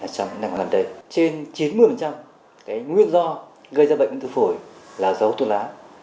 trong những năm qua gần đây trên chín mươi cái nguyên do gây ra bệnh ung thư phổi là do hốt thuốc lá